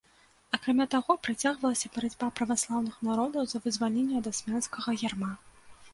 Акрамя таго, працягвалася барацьба праваслаўных народаў за вызваленне ад асманскага ярма.